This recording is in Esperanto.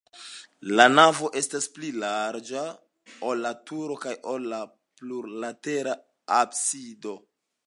La navo estas pli larĝa, ol la turo kaj ol la plurlatera absido.